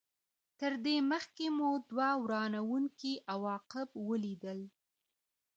تر دې مخکې مو دوه ورانوونکي عواقب ولیدل.